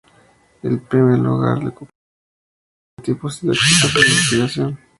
Primer lugar en el Concurso Regional de Prototipos Didácticos y de Investigación.